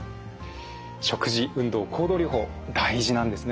食事運動行動療法大事なんですね。